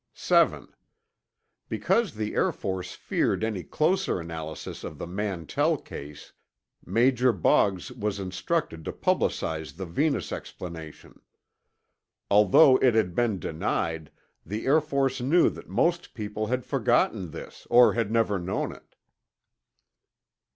7. Because the Air Force feared any closer analysis of the Mantell case, Major Boggs was instructed to publicize the Venus explanation. Although it had been denied, the Air Force knew that most people had forgotten this or had never known it.